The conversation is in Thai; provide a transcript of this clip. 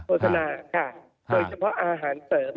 โฆษณาค่ะเพราะอาหารเสริม